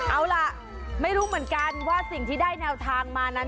เอาล่ะไม่รู้เหมือนกันว่าสิ่งที่ได้แนวทางมานั้น